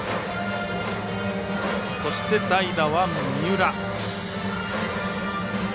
そして代打は三浦。